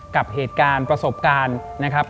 กับเหตุการณ์ประสบการณ์นะครับ